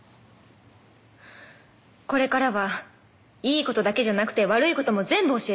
これからはいいことだけじゃなくて悪いことも全部教えて。